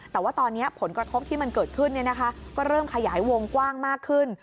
แต่ว่าตอนนี้ผลกระทบที่มันเกิดขึ้นก็เริ่มขยายวงกว้างมากขึ้น